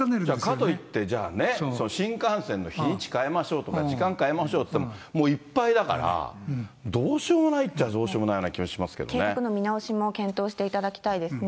かといってじゃあね、新幹線の日にち変えましょうとか、時間変えましょうっていっても、もういっぱいだから、どうしようもないっちゃどうしようもないよ計画の見直しも検討していただきたいですね。